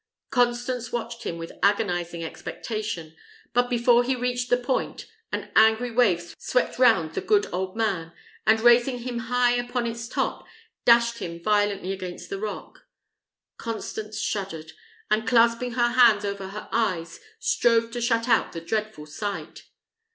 Constance watched him with agonizing expectation; but before he reached the point, an angry wave swept round the good old man, and raising him high upon its top, dashed him violently against the rock. Constance shuddered, and clasping her hands over her eyes, strove to shut out the dreadful sight.